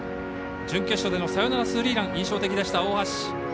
準決勝でのサヨナラスリーラン印象的でした大橋。